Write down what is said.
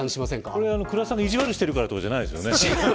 これ、倉田さんが意地悪しているからとかじゃないですよね。